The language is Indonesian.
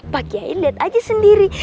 pak kiai liat aja sendiri